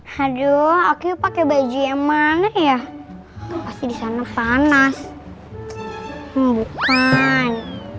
hadew aku pakai bajunya mana ya bonnecane panas untuk ban